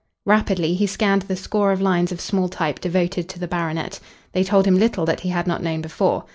Rapidly he scanned the score of lines of small type devoted to the baronet. They told him little that he had not known before.